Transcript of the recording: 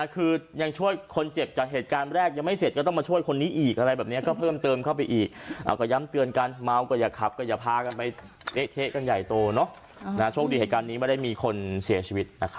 คือยังช่วยคนเจ็บจากเหตุการณ์แรกยังไม่เสร็จ